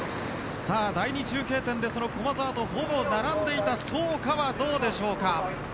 第２中継点でその駒澤とほぼ並んでいた創価はどうでしょうか。